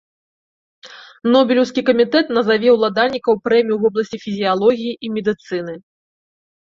Нобелеўскі камітэт назаве ўладальнікаў прэміі ў вобласці фізіялогіі і медыцыны.